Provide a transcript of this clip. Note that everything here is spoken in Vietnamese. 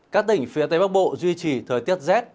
các tỉnh phía tây bắc bộ duy trì thời tiết rét